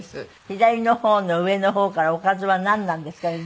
左の方の上の方からおかずはなんなんですかね？